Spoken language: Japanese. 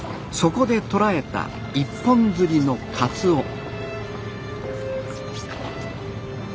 そこで捕らえた一本釣りのカツオ。